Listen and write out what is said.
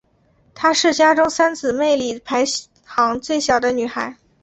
她是家中三姊妹里排行最小的女孩。